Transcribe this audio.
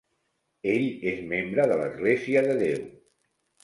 Ell és membre de l'Església de Déu.